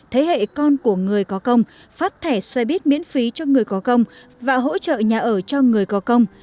thế hệ con của người có công phát thẻ xoay bít miễn phí cho người có công và hỗ trợ nhà ở cho người có công